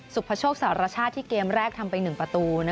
พโชคสารชาติที่เกมแรกทำไป๑ประตู